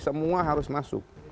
semua harus masuk